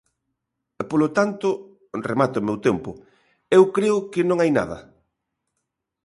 Polo tanto –remata o meu tempo–, eu creo que non hai nada.